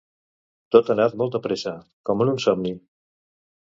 Tot ha anat molt de pressa, com en un somni.